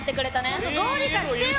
ほんとどうにかしてよ！